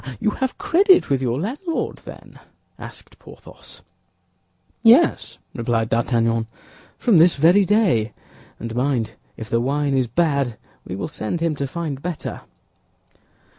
"Ah, ah! You have credit with your landlord, then?" asked Porthos. "Yes," replied D'Artagnan, "from this very day; and mind, if the wine is bad, we will send him to find better."